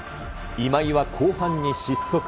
今井は後半に失速。